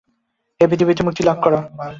এই পৃথিবী হইতে মুক্তি লাভ কর।